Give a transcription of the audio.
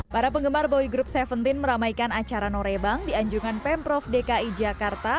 para penggemar boy group tujuh belas meramaikan acara norebang di anjungan pemprov dki jakarta